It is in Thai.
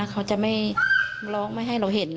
เขาจะไม่ร้องไม่ให้เราเห็น